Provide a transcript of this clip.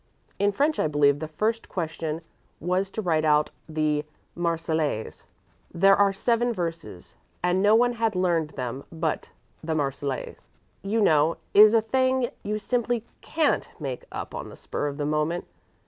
In French I believe the first question was to write out the 'Marseillaise'; there are seven verses, and no one had learned them, and the 'Marseillaise,' you know, is a thing that you simply can't make up on the spur of the moment.